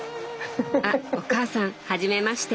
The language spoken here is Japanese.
あお母さんはじめまして。